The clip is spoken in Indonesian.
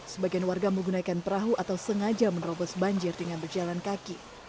sebagian warga menggunakan perahu atau sengaja menerobos banjir dengan berjalan kaki